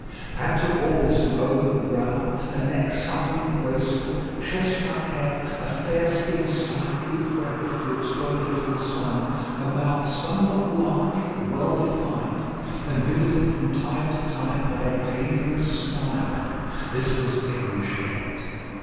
Add to all this an open brow, a neck supple and graceful, chestnut hair, a fair skin slightly freckled with exposure to the sun, a mouth somewhat large, but well defined, and visited from time to time by a dangerous smile. This was Déruchette.